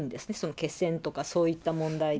血栓とかそういった問題で。